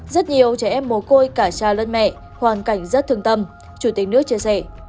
rất nhiều trẻ em mồ côi cả cha lẫn mẹ hoàn cảnh rất thương tâm chủ tịch nước chia sẻ